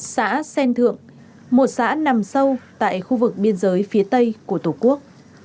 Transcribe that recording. xã sen thượng một xã nằm sâu tại khu vực biên giới phía tây của tổ quốc